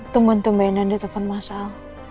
tumpen tumpenan di telpon masal